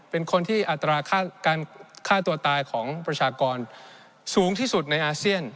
เป็นคนที่อัตราการฆ่าตัวตายของประชากรสูงที่สุดในอาเซียน